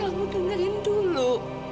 kamu dengerin dulu